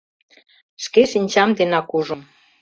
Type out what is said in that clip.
— Шке шинчам денак ужым.